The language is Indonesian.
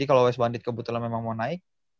kalau wos bandit kebetulan memang mau naik